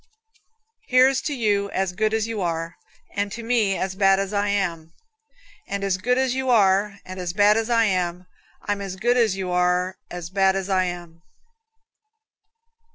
Here's to you as good as you are, And to me as bad as I am; And as good as you are and as bad as I am, I'm as good as you are as bad as I am.